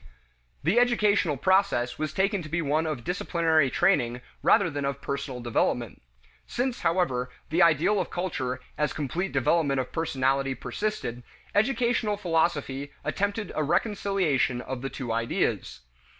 The educational process was taken to be one of disciplinary training rather than of personal development. Since, however, the ideal of culture as complete development of personality persisted, educational philosophy attempted a reconciliation of the two ideas.